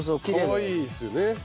かわいいですよね。